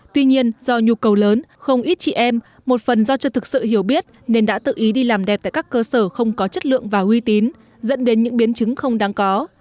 tuy nhiên do nhu cầu lớn không ít chị em một phần do chưa thực sự hiểu biết nên đã tự ý đi làm đẹp tại các cơ sở không có chất lượng và uy tín dẫn đến những biến chứng không đáng có